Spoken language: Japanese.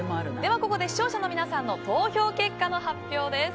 ここで視聴者の皆さんの投票結果の発表です。